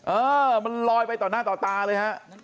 เออมันลอยไปต่อหน้าต่อตาเลยฮะ